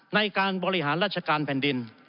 ในการบริหารราชการแผ่นดิน